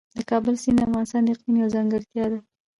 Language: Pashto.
د کابل سیند د افغانستان د اقلیم یوه ځانګړتیا ده.